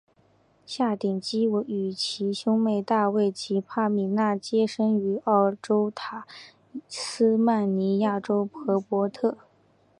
夏鼎基与其兄妹大卫及帕米娜皆生于澳洲塔斯曼尼亚州荷伯特。